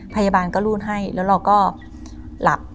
พยาบาลก็รูดให้แล้วเราก็หลับ